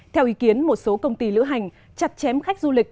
theo ý kiến một số công ty lữ hành chặt chém khách du lịch